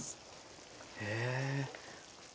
へえ。